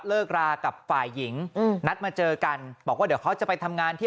เลิกรากับฝ่ายหญิงอืมนัดมาเจอกันบอกว่าเดี๋ยวเขาจะไปทำงานที่